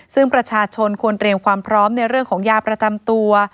ซึ่งประชาชนควรเตรียมความพร้อมในเรื่องของยาประจำตัว